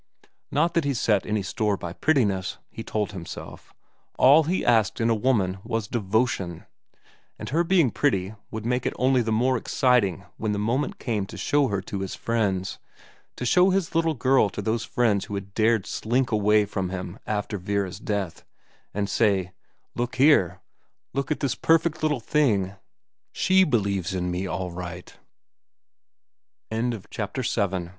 Not that he set any store by prettiness, he told himself ; all he asked in a woman was devotion. But her being pretty would make it only the more exciting when the moment came to show her to his friends, to show his little girl to those friends who had dared slink away from him after Vera's death, and say, ' Look here look at this perfect little thing site belie